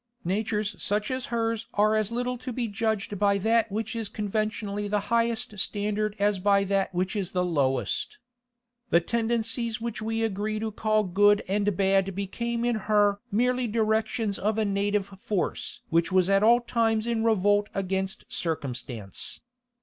Natures such as hers are as little to be judged by that which is conventionally the highest standard as by that which is the lowest. The tendencies which we agree to call good and had became in her merely directions of a native force which was at all times in revolt against circumstance.